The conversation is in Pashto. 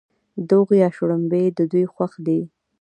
دوغ یا شړومبې د دوی خوښ دي.